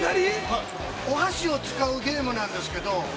お箸を使うゲームなんですけど。